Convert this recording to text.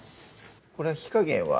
これは火加減は？